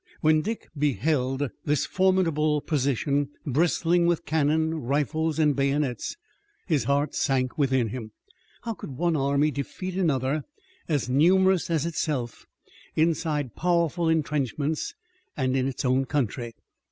When Dick beheld this formidable position bristling with cannon, rifles and bayonets, his heart sank within him. How could one army defeat another, as numerous as itself, inside powerful intrenchments, and in its own country?